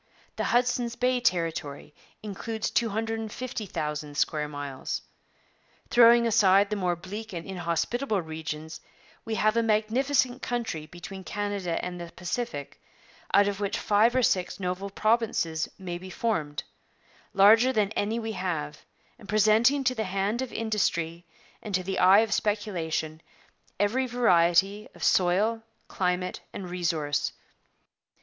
The Hudson's Bay territory includes 250,000 square miles. Throwing aside the more bleak and inhospitable regions, we have a magnificent country between Canada and the Pacific, out of which five or six noble provinces may be formed, larger than any we have, and presenting to the hand of industry and to the eye of speculation every variety of soil, climate, and resource.